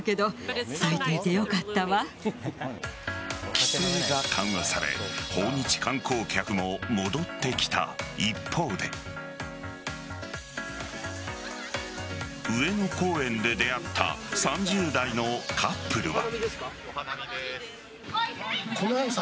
規制が緩和され訪日観光客も戻ってきた一方で上野公園で出会った３０代のカップルは。